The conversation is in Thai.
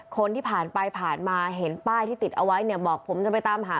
คนที่ผ่านไปผ่านมาเห็นป้ายที่ติดเอาไว้เนี่ยบอกผมจะไปตามหา